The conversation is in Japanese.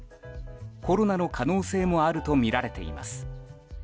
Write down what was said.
コロナの可能性もあるとみられています。